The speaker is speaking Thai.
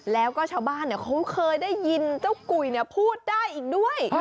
แล้วก็ชาวบ้านเขาเคยได้ยินเจ้ากุยพูดได้อีกด้วย